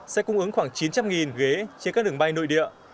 sẽ cung ứng khoảng chín trăm linh ghế trên các đường bay nội địa